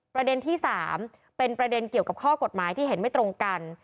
ประเด็นที่๓เป็นประเด็นเกี่ยวกับข้อกฎหมายที่เห็นไม่ตรงกัน